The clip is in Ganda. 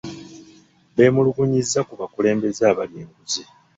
Beemulugunyizza ku bakulembeze abalya enguzi.